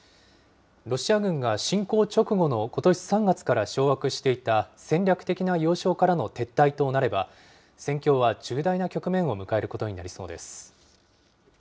ロシア軍が侵攻直後のことし３月から掌握していた戦略的な要衝からの撤退となれば、戦況は重大な局面を迎えることになりそうです。